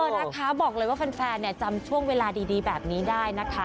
นะคะบอกเลยว่าแฟนจำช่วงเวลาดีแบบนี้ได้นะคะ